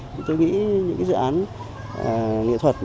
thì tôi nghĩ những cái dự án nghệ thuật